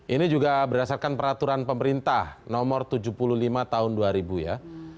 ini juga berdasarkan peraturan pemerintah nomor tujuh puluh lima tahun dua ribu ya